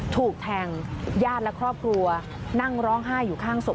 ถูกแทงญาติและครอบครัวนั่งร้องไห้อยู่ข้างศพ